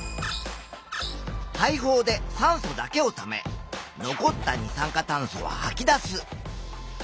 肺胞で酸素だけをため残った二酸化炭素ははき出す。